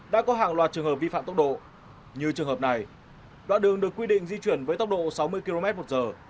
trường hợp vi phạm tốc độ như trường hợp này đoạn đường được quy định di chuyển với tốc độ sáu mươi km một giờ